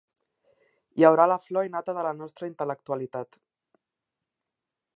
Hi haurà la flor i nata de la nostra intel·lectualitat.